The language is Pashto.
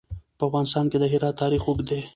په افغانستان کې د هرات تاریخ اوږد دی.